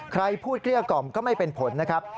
ใครพูดเกลี้ยกล่อมก็ไม่เป็นผลนะครับ